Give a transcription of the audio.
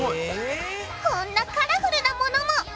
こんなカラフルなものも！